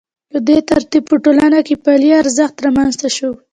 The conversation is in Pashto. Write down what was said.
په دې ترتیب په ټولنه کې پولي ارزښت رامنځته شو